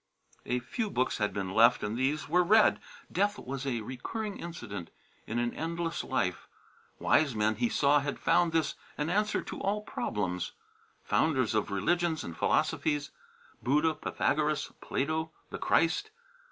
A few books had been left and these were read. Death was a recurring incident in an endless life. Wise men he saw had found this an answer to all problems founders of religions and philosophies Buddha, Pythagoras, Plato, the Christ.